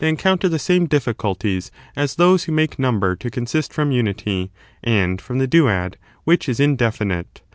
encounter the same difficulties as those who make number to consist from unity, and from the duad, which is indefinite.